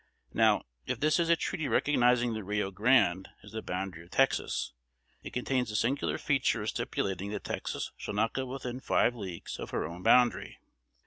Now, if this is a treaty recognizing the Rio Grande as the boundary of Texas, it contains the singular feature of stipulating that Texas shall not go within five leagues of her own boundary.